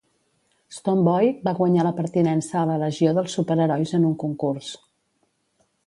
Stone Boy va guanyar la pertinença a la Legió dels Superherois en un concurs.